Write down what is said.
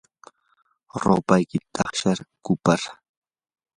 rupaykita taqshay kupar.